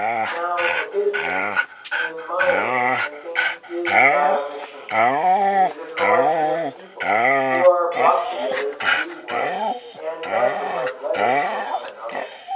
Now a business, in my way of thinking, is not a machine. It is a collection of people who are brought together to do work and not to write letters to one another.